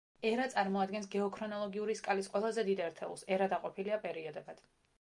ერა წარმოადგენს გეოქრონოლოგიური სკალის ყველაზე დიდ ერთეულს, ერა დაყოფილია პერიოდებად.